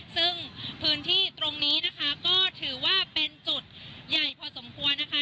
ซึ่งพื้นที่ตรงนี้นะคะก็ถือว่าเป็นจุดใหญ่พอสมควรนะคะ